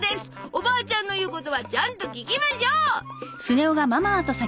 おばあちゃんの言うことはちゃんと聞きましょう。